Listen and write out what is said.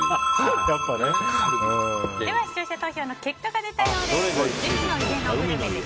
では視聴者投票の結果出たようです。